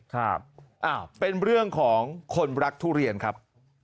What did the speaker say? ครับอ้าวเป็นเรื่องของคนรักทุเรียนครับ